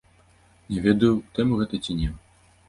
Не ведаю, у тэму гэта ці не.